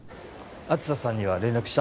梓さんには連絡した？